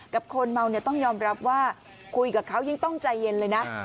คนเมาเนี่ยต้องยอมรับว่าคุยกับเขายังต้องใจเย็นเลยนะ